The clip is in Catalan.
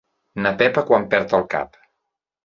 Na Pepa quan perd el cap.